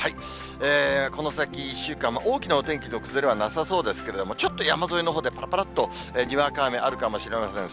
この先１週間は大きなお天気の崩れはなさそうなんですけれども、ちょっと山沿いのほうでぱらぱらっと、にわか雨あるかもしれません。